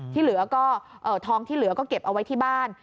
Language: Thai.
ทองที่เหลือก็เก็บเอาไว้ที่บ้าน